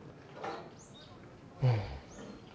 うん。